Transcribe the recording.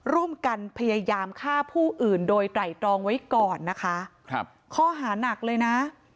ร่วมกันพยายามฆ่าผู้อื่นโดยไตรตรองไว้ก่อนนะคะครับข้อหานักเลยนะ